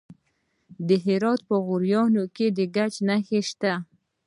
د هرات په غوریان کې د ګچ نښې شته.